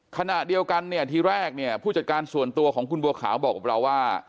ขณะเดียวกันเนี่ยทีแรกเนี่ยผู้จัดการส่วนตัวของคุณบัวขาวบอกกับเราว่า